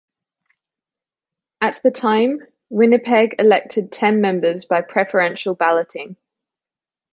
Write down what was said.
At the time, Winnipeg elected ten members by preferential balloting.